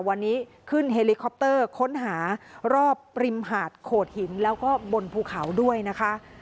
วันนี้ขึ้นเฮลิคอปเตอร์ค้นหารอบริมหาดโขดหินแล้วก็บนภูเขาด้วยนะคะ